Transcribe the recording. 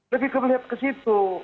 lebih kelihatan ke situ